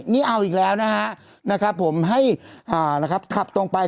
นี่เอาอีกแล้วนะฮะผมให้นะครับขับตรงไป